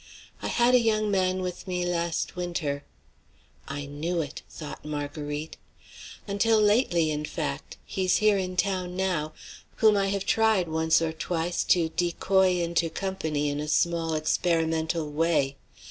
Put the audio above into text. I had a young man with me last winter" "I knew it!" thought Marguerite. " until lately, in fact; he's here in town now, whom I have tried once or twice to decoy into company in a small experimental way.